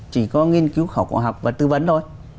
chỉ có nghiên cứu khảo cổ học và tư vấn thôi